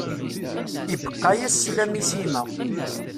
Ibeqqa-yas slam i Sima.